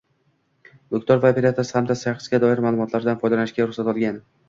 Mulkdor va operator hamda shaxsga doir ma’lumotlardan foydalanishga ruxsat olgan